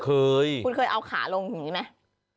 เคยคุณเคยเอาขาลงอย่างนี้ไหม